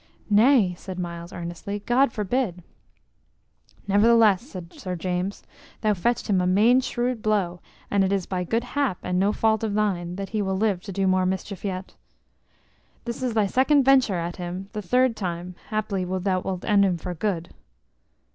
"Nay," said Myles, earnestly; "God forbid!" "Ne'theless," said Sir James, "thou fetched him a main shrewd blow; and it is by good hap, and no fault of thine, that he will live to do more mischief yet. This is thy second venture at him; the third time, haply, thou wilt end him for good."